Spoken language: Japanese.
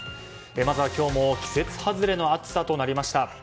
まずは今日も季節外れの暑さとなりました。